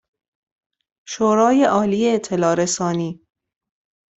شورای عالی اطلاع رسانی